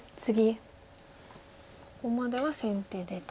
ここまでは先手でと。